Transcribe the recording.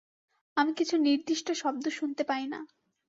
আমি কিছু নির্দিষ্ট শব্দ শুনতে পাই না।